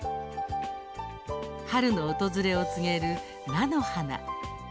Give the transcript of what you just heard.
春の訪れを告げる、菜の花。